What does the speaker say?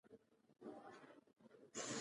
سرف یو محروم انسان و چې هیڅ چاره نه درلوده.